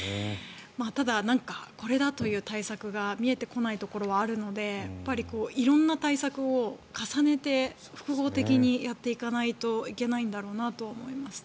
ただ、これだという対策が見えてこないところはあるので色んな対策を重ねて複合的にやっていかないといけないんだろうなと思いますね。